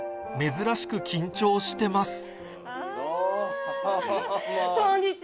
珍しく緊張してますどうも。